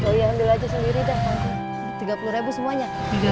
oh iya ambil aja sendiri deh